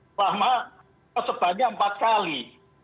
selama sebanyak empat kali